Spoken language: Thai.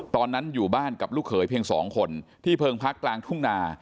ตอนนั้นอยู่บ้านกับลูกเขยเพียง๒คนที่เพิงพักกลางทุ่งนา